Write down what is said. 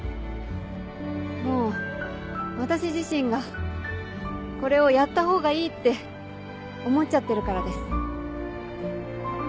もう私自身がこれをやったほうがいいって思っちゃってるからです。